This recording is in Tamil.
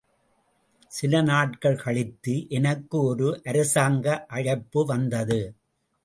சில நாட்கள் கழித்து எனக்கு ஒரு அரசாங்க அழைப்பு வந்தது.